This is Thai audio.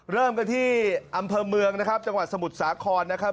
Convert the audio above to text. เริ่มกันที่อำเภอเมืองนะครับจังหวัดสมุทรสาครนะครับ